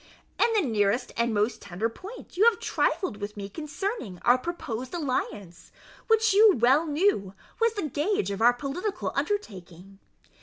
"In the nearest and most tender point you have trifled with me concerning our proposed alliance, which you well knew was the gage of our political undertaking.